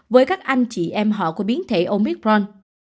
với các anh chị em họ của biến thể omicron